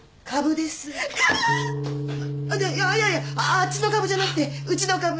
あっちの株じゃなくてうちのカブ。